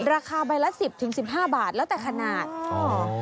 ราคาใบละ๑๐๑๕บาทแล้วแต่ขนาด